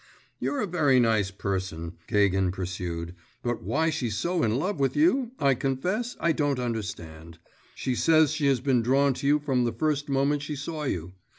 You're a very nice person,' Gagin pursued, 'but why she's so in love with you, I confess I don't understand. She says she has been drawn to you from the first moment she saw you.